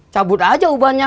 cabut aja ubannya